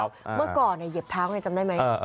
เมื่อก่อนเหยียบเท้าเลยจำได้ไหม